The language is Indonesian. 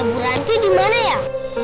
beranti dimana ya